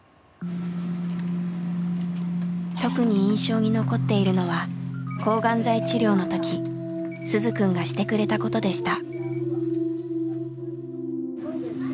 特に印象に残っているのは抗がん剤治療の時鈴くんがしてくれたことでした。